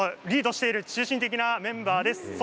リードしている中心的なメンバーです。